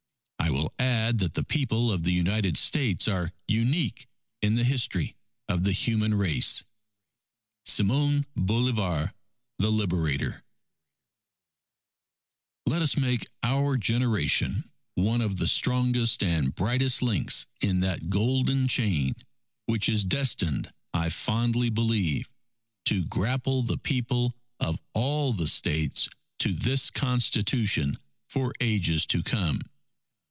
I will add that the People of the United States are unique in the history of the human race. SIMON BOLIVAR, the Liberator Let us make our generation one of the strongest and brightest links in that golden chain which is destined, I fondly believe, to grapple the People of all the States to this Constitution for Ages to come.